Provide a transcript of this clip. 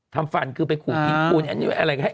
ทำฟันคือไปขู่อะไรก็ให้